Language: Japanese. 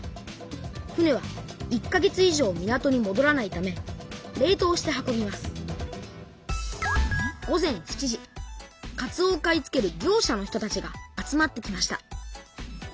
船は１か月以上港にもどらないため冷とうして運びますかつおを買い付ける業者の人たちが集まってきました。